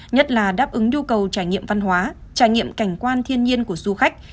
nhất là đáp ứng nhu cầu trải nghiệm văn hóa trải nghiệm cảnh quan thiên nhiên của du khách